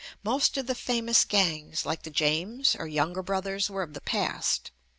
Most of the famous gangs like the "James" or "Younger Broth ers" were of the past.